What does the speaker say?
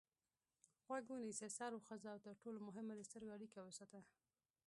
غوږ ونیسه سر وخوځوه او تر ټولو مهمه د سترګو اړیکه وساته.